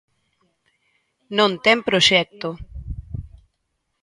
Non ten proxecto.